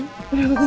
udah butuh istri gue